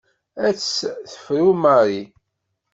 Ad tt-tefru Marie.